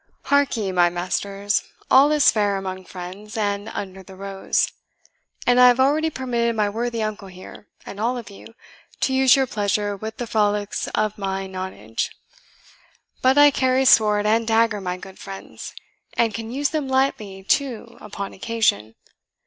"Hark'ee, my masters all is fair among friends, and under the rose; and I have already permitted my worthy uncle here, and all of you, to use your pleasure with the frolics of my nonage. But I carry sword and dagger, my good friends, and can use them lightly too upon occasion.